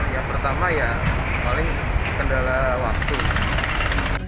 yang pertama ya paling kendala waktu